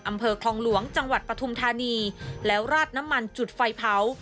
อำเภอคลองหลวงจังหวัดปฐุมธานีแล้วราดน้ำมันจุดไฟเผา